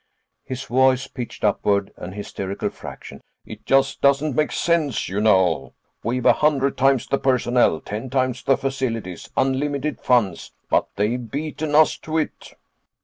His voice pitched upward an hysterical fraction. "It just doesn't make sense, you know. We've a hundred times the personnel, ten times the facilities, unlimited funds—but they've beaten us to it."